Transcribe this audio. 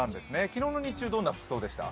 昨日の日中どんな服装でした？